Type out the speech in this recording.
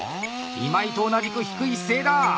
今井と同じく低い姿勢だ！